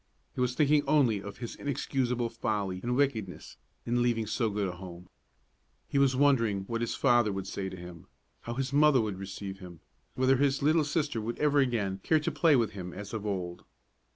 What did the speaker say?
He was thinking only of his inexcusable folly and wickedness in leaving so good a home. He was wondering what his father would say to him; how his mother would receive him; whether his little sister would ever again care to play with him as of old.